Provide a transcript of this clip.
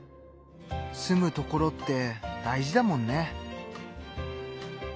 住む所って大事だもんね。